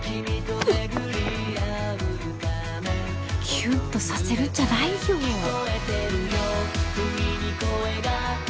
キュンとさせるんじゃないよぜ